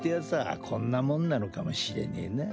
こんなもんなのかもしれねえな。